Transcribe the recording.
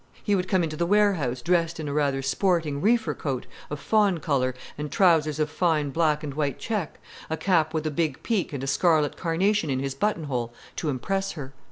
He would come into the warehouse dressed in a rather sporting reefer coat, of fawn colour, and trousers of fine black and white check, a cap with a big peak and a scarlet carnation in his button hole, to impress her.